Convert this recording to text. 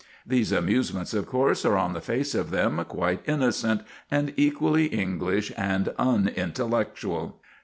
These amusements, of course, are on the face of them quite innocent, and equally English and unintellectual.